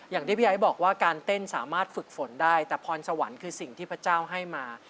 อย่างที่พี่ไอ้บอกว่าการเต้นสามารถฝึกฝนได้แต่พรสวรรค์คือสิ่งที่พระเจ้าให้มา